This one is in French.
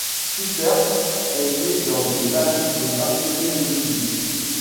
Schippers est né dans une famille de passionnés de musique.